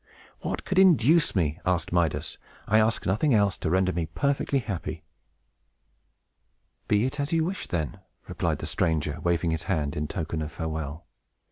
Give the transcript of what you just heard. "What could induce me?" asked Midas. "I ask nothing else, to render me perfectly happy." "Be it as you wish, then," replied the stranger, waving his hand in token of farewell.